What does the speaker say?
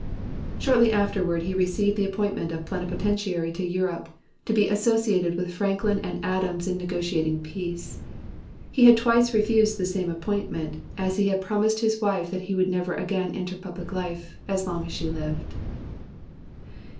Shortly afterward he received the appointment of Plenipotentiary to Europe, to be associated with Franklin and Adams in negotiating peace. He had twice refused the same appointment, as he had promised his wife that he would never again enter public life, as long as she lived.